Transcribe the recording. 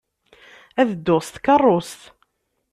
Ad dduɣ s tkeṛṛust.